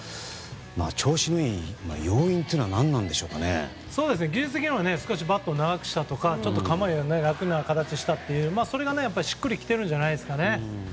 調子のいい要因は技術面はちょっとバットを長くしたとかちょっと構えを楽な形にしたとかそれが、しっくりきているんじゃないですかね。